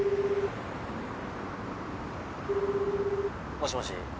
もしもし。